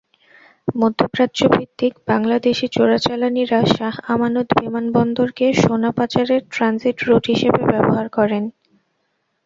মধ্যপ্রাচ্যভিত্তিক বাংলাদেশি চোরাচালানিরা শাহ আমানত বিমানবন্দরকেসোনা পাচারের ট্রানজিট রুট হিসেবে ব্যবহার করেন।